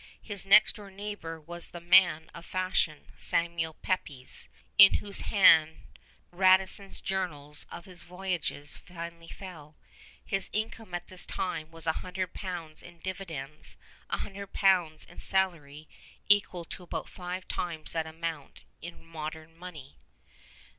His next door neighbor was the man of fashion, Samuel Pepys, in whose hands Radisson's Journals of his voyages finally fell. His income at this time was 100 pounds in dividends, 100 pounds in salary, equal to about five times that amount in modern money.